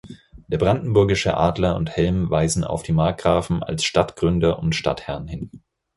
Der brandenburgische Adler und Helm weisen auf die Markgrafen als Stadtgründer und Stadtherren hin.